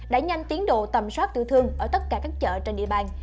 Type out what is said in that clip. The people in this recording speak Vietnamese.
để nhanh tiến độ tầm soát tự thương ở tất cả các chợ trên địa bàn